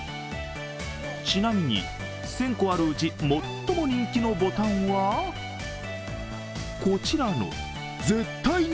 ちなみに１０００個あるうち最も人気のボタンはこちらの「絶対に！